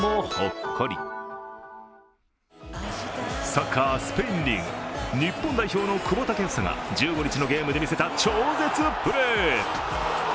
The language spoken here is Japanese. サッカー、スペインリーグ、日本代表の久保建英が１５日のゲームで見せた超絶プレー。